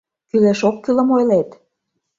— Кӱлеш-оккӱлым ойлет...